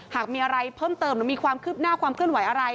หากมีอะไรเพิ่มเติมหรือมีความคืบหน้าความเคลื่อนไหวอะไร